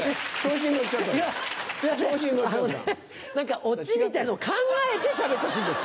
何かオチみたいの考えてしゃべってほしいんです。